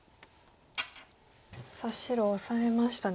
さあ白オサえましたね。